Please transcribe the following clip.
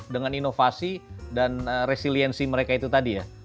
dengan inovasi dan resiliensi mereka itu tadi ya